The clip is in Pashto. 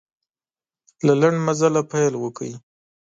له لنډ مزله پیل وکړئ.